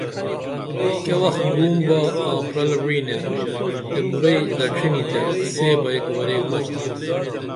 کیہ وخ گروم با آں پرل وعینے تے بُرعی دڇھنی تے سے بہ ایک ورے مچ تھا